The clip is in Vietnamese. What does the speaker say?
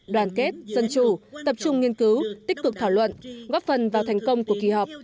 đoàn kết dân chủ tập trung nghiên cứu tích cực thảo luận góp phần vào thành công của kỳ họp